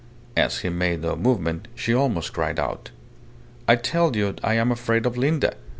As he made no movement, she almost cried aloud "I tell you I am afraid of Linda!"